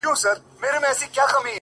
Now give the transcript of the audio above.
گرانه شاعره له مودو راهسي؛